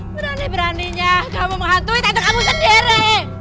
berani beraninya kamu menghantui tante kamu sendiri